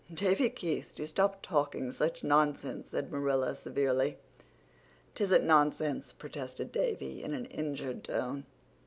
"Davy Keith, do stop talking such nonsense," said Marilla severely. "'Tisn't nonsense," protested Davy in an injured tone.